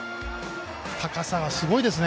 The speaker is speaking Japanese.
高さがすごいですね。